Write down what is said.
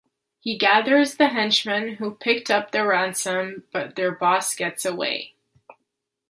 He gathers the henchmen who picked up the ransom, but their boss gets away.